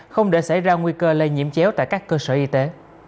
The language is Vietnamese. không để xảy ra nguy cơ lây nhiễm chéo tại các cơ sở y tế